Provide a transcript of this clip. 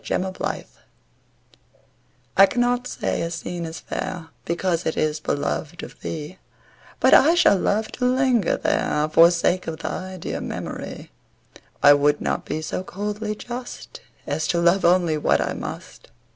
IMPARTIALITY I cannot say a scene is fair Because it is beloved of thee But I shall love to linger there, For sake of thy dear memory; I would not be so coldly just As to love only what I must.